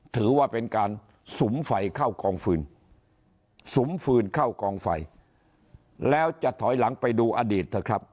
ถือว่าเป็นการสุมไฟเข้ากองฟืนแล้วจะถอยหลังไปดูอดีต